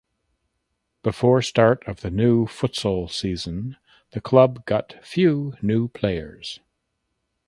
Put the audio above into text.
Before start of the new futsal season the club got few new players.